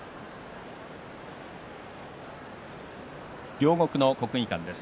両国の国技館です。